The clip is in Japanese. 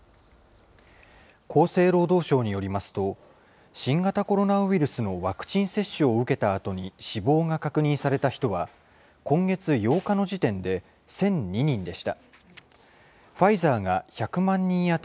厚生労働省によりますと、新型コロナウイルスのワクチン接種を受けたあとに死亡が確認された人は、今月８日の時点で１００２人でした。